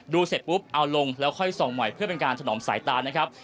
เสร็จปุ๊บเอาลงแล้วค่อยส่องใหม่เพื่อเป็นการถนอมสายตานะครับ